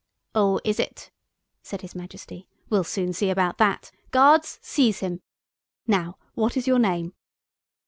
"Oh, is it?" said His Majesty. "We'll soon see about that. Guards, seize him! Now, what is your name?"